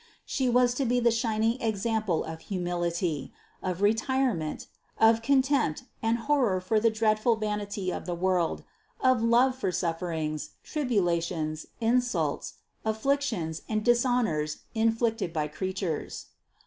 She was to be the shining example of humility, of retirement, of contempt and horror for the dreadful vanity of the world, of love for sufferings, tribulations, insults, afflictions and dishon ors inflicted by creatures.